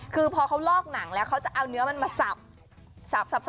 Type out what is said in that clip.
คือพอเขาลอกหนังแล้วเขาจะเอาเนื้อมันมาสับ